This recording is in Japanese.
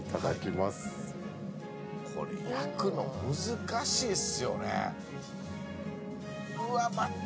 これ、焼くの難しいですよね。